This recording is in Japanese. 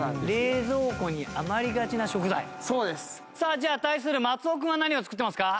じゃあ対する松尾君は何を作っていますか？